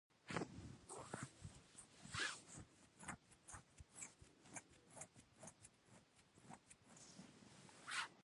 مڼې په ونې کې پخېږي